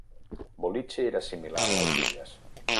"Boliche" era similar a les bitlles.